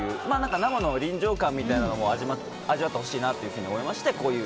生の臨場感みたいなものも味わってほしいなと思いまして。